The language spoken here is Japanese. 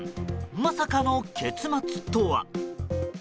まさかの結末とは。